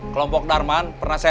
kelompok darman pernah serang